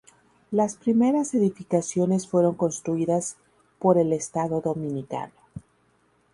Las primeras edificaciones fueron construidas por el Estado Dominicano.